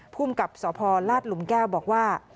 ภูมิกับสพลาดหลุมแก้วบอกว่า